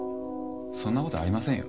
そんな事ありませんよ。